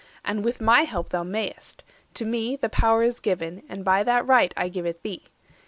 And with my help thou may'st; to me the power Is given, and by that right I give it thee.